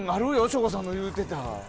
省吾さんが言うてた。